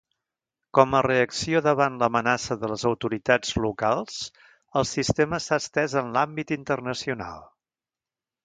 Com a reacció davant l'amenaça de les autoritats locals, el sistema s'ha estès en l'àmbit internacional.